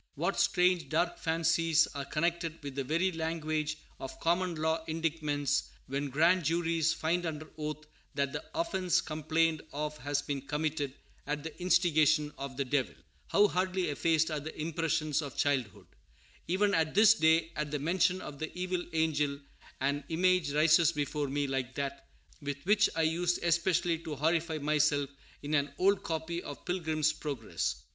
What strange, dark fancies are connected with the very language of common law indictments, when grand juries find under oath that the offence complained of has been committed "at the instigation of the Devil"! How hardly effaced are the impressions of childhood! Even at this day, at the mention of the evil angel, an image rises before me like that with which I used especially to horrify myself in an old copy of Pilgrim's Progress.